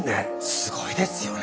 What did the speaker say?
すごいですよね！